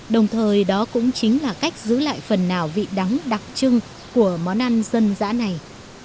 đồng thời đó cũng chính là cách giữ lại phần nào vị đắng đặc trưng của món ăn dân dã này